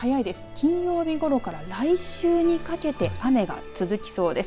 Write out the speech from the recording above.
金曜日ごろから来週にかけて雨が続きそうです。